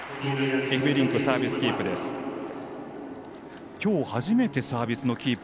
エフベリンク、サービスキープ。